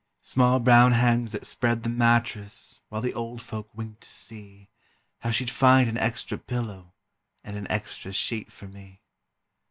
Small brown hands that spread the mattress While the old folk winked to see How she'd find an extra pillow And an extra sheet for me.